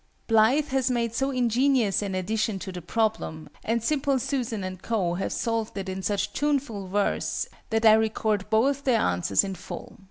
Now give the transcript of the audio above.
BLITHE has made so ingenious an addition to the problem, and SIMPLE SUSAN and CO. have solved it in such tuneful verse, that I record both their answers in full.